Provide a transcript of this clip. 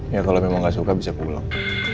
ya kalau memang nggak suka bisa pulang